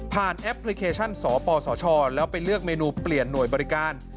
แอปพลิเคชันสปสชแล้วไปเลือกเมนูเปลี่ยนหน่วยบริการ